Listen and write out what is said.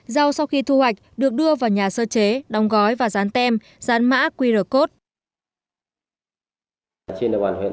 rau sau khi thu hoạch được đưa vào nhà sơ chế đóng gói và dán tem dán mã qr code